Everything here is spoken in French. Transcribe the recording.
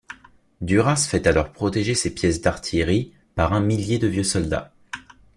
Duras fait alors protéger ses pièces d'artillerie par un millier de vieux soldats.